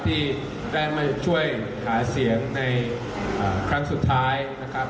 ที่ได้มาช่วยหาเสียงในครั้งสุดท้ายนะครับ